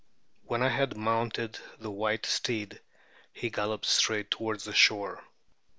When I had mounted the white steed, he galloped straight toward the shore.